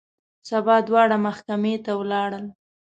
سبا دواړه محکمې ته ولاړل.